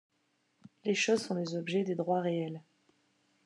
Les choses sont les objets des droits réels.